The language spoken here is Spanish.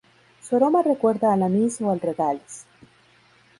Su aroma recuerda al anís o al regaliz.